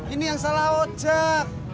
ini yang salah oh jack